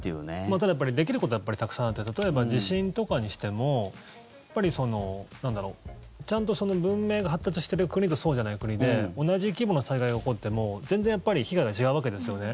ただ、やっぱりできることはたくさんあって例えば、地震とかにしてもちゃんと文明が発達してる国とそうじゃない国で同じ規模の災害が起こっても全然被害が違うわけですよね。